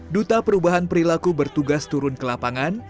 duta perubahan perilaku bertugas turun ke lapangan